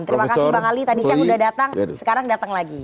terima kasih bang ali tadi siang udah datang sekarang datang lagi